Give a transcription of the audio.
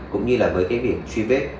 cũng như việc truy vết